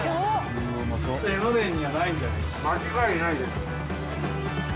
間違いないです。